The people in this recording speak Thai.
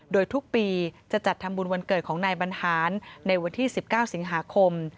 โดยทุกปีจะจัดทำบุญวันเกิดของนายบรรหารในวันที่๑๙สิงหาคม